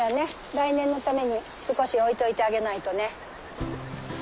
来年のために少し置いといてあげないとね。